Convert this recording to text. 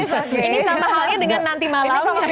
ini sama halnya dengan nanti malam hari